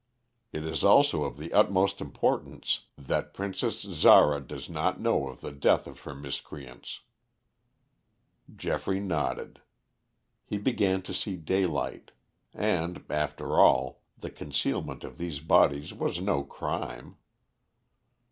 It is also of the utmost importance that Princess Zara does not know of the death of her miscreants." Geoffrey nodded. He began to see daylight. And, after all, the concealment of these bodies was no crime.